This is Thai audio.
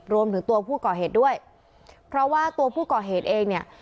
รวมถึงตัวผู้ก่อเหตุด้วยเพราะว่าตัวผู้ก่อเหตุเองเนี่ย